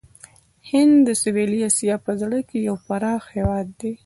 هند د سویلي آسیا په زړه کې یو پراخ هېواد دی.